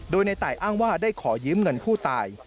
โดยในตายอ้างว่าได้ขอยืมเงินผู้ตาย